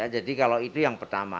jadi kalau itu yang pertama